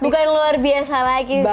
bukannya luar biasa lagi sih